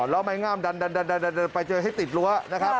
แล้วไม้งามดันไปเจอให้ติดรั้วนะครับ